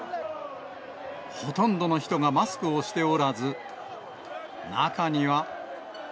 ほとんどの人がマスクをしておらず、中には。